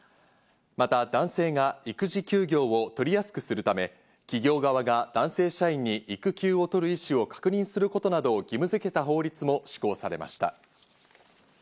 また男性が育児休業を取りやすくするため、企業側が男性社員に育休を取る意思を確認することなどを義務づけた法律も施行されました。